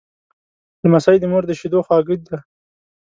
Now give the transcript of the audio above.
لمسی د مور د شیدو خواږه دی.